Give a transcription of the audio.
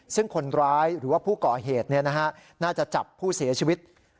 ซึ่งคนร้ายหรือว่าผู้ก่อเหตุน่าจะจับผู้เสียชีวิต